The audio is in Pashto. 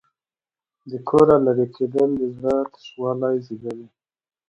د کوره لرې کېدل د زړه تشوالی زېږوي.